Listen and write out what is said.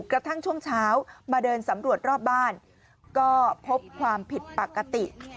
กระทั่งช่วงเช้ามาเดินสำรวจรอบบ้านก็พบความผิดปกติ